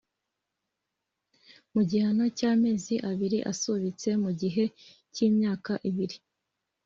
Igihano cy’amezi abiri asubitse mu gihe cy’imyaka ibiri